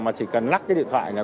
mà chỉ cần lắc cái điện thoại này